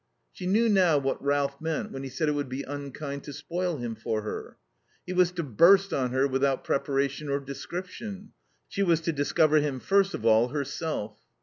She knew now what Ralph meant when he said it would be unkind to spoil him for her. He was to burst on her without preparation or description. She was to discover him first of all herself.